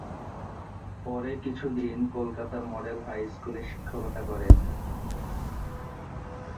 পরে কিছুদিন কলকাতার মডেল হাই স্কুলে শিক্ষকতা করেন।